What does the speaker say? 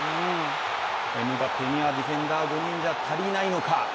エムバペにはディフェンダー５人では足りないのか。